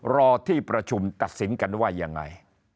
รอที่ประชุมตัดสินกันว่ายังไง